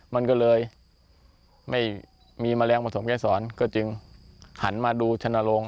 มันก็เลยไม่มีแมลงผสมเกษรก็จึงหันมาดูชนะโรง